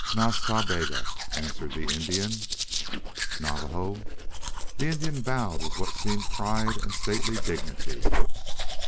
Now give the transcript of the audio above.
"Nas Ta Bega," answered the Indian. "Navajo?" The Indian bowed with what seemed pride and stately dignity.